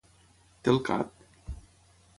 Té el cap?